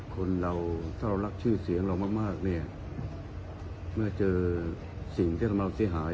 คนเราเศร้ารักชื่อเสียงเรามากเนี่ยเมื่อเจอสิ่งที่กำลังเสียหาย